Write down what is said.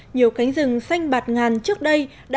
nhiều cánh rừng xanh bạt ngàn trước đây đã bị tránh ra